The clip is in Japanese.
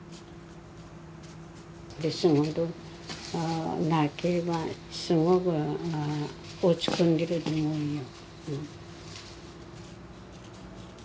仕事なければすごく落ち込んでると思うよ。